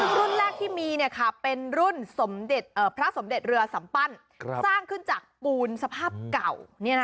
ซึ่งรุ่นแรกที่มีเป็นรุ่นพระสมเด็จเรือสัมปั้นสร้างขึ้นจากปูนสภาพเก่า